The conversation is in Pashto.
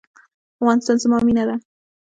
افغانستان زما مینه ده